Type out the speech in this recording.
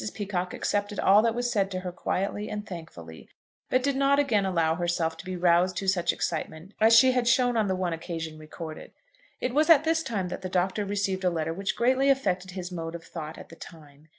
Peacocke accepted all that was said to her quietly and thankfully, but did not again allow herself to be roused to such excitement as she had shown on the one occasion recorded. It was at this time that the Doctor received a letter which greatly affected his mode of thought at the time.